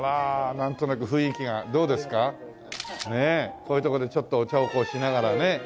こういうとこでちょっとお茶をこうしながらね。